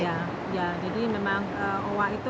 ya jadi memang owa itu